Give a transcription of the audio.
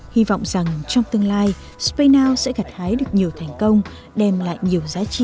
hy vọng rằng trong tương lai spaynow sẽ gặt hái được nhiều thành công đem lại nhiều giá trị cho xã hội